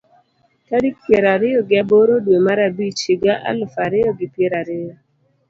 Tarik pier ariyo gi aboro dwe mar abich higa aluf ariyo gi pier ariyo